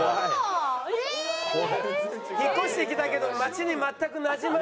引っ越してきたけど街に全くなじまない女の子。